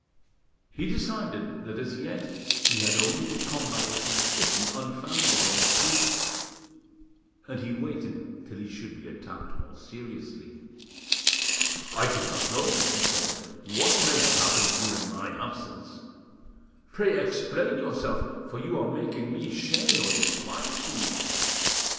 He decided that as yet he had only to combat a suspicion unfounded on proof, and he waited till he should be attacked more seriously. "I do not know," he said, "what may have happened during my absence; pray explain yourself, for you are making me share your disquietude."